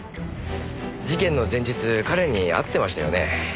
事件の前日彼に会ってましたよね？